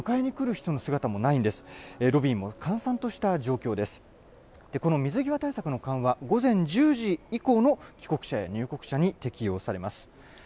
この水際対策の緩和、午前１０時以降の帰国者や入国者に適用されます。